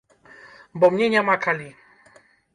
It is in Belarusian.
Бо мне няма калі.